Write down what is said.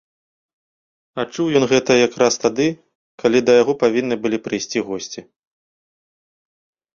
Адчуў ён гэта якраз тады, калі да яго павінны былі прыйсці госці.